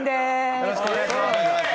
よろしくお願いします。